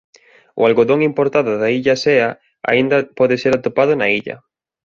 O algodón importado da Illa Sea aínda pode ser atopado na illa.